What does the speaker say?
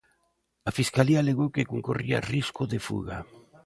A fiscalía alegou que concorría risco de fuga.